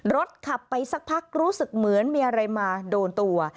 รถขับไปสักพักรู้สึกเหมือนมีอะไรมาโดนตัว